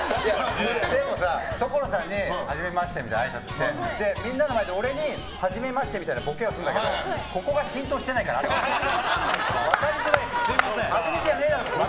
でもさ、所さんに初めましてみたいなあいさつをして、みんなの前ではじめましてみたいなボケをするんだけどここが浸透してないから分かりづらい。